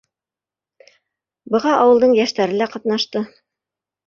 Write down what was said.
Быға ауылдың йәштәре лә ҡатнашты.